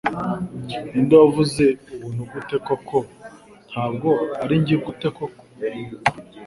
Ninde wavuze ubuntu gute koko Ntabwo ari njye gute koko